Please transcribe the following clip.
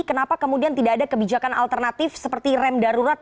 kenapa kemudian tidak ada kebijakan alternatif seperti rem darurat